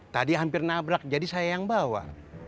tadi hampir nabrak jadi saya yang bawa